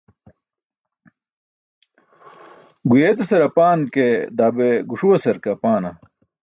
Guyeecasar apan ke, daa be guṣuwasar ke apaana?